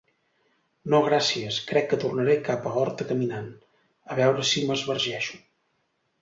No, gràcies, crec que tornaré cap a Horta caminant, a veure si m'esbargeixo.